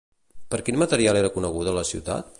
Per quin material era coneguda la ciutat?